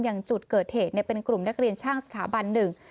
อย่างจุดเกิดเหตุเป็นกลุ่มนักเรียนช่างสถาบันหนึ่ง